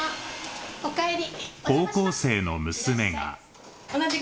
おかえり。